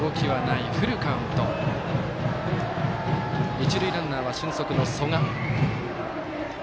一塁ランナーは俊足の曽我。